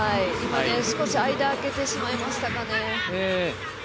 少し間を空けてしまいましたかね。